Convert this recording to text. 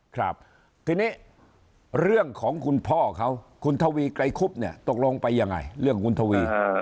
ครับทีนี้เรื่องของคุณพ่อเขาคุณทวีไกรคุบเนี่ยตกลงไปยังไงเรื่องคุณทวี